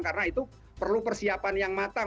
karena itu perlu persiapan yang matang